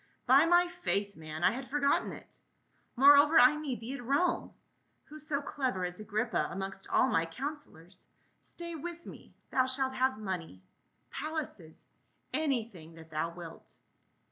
" By my faith, man, I had forgotten it. Moreover, I need thee at Rome ; who so clever as Agrippa amongst all my counselors. Stay with me, thou shalt have money — palaces — anything that thou wilt."